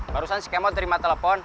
barusan si kemo terima telepon